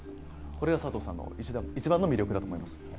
これが佐藤さんの一番の魅力だと思います。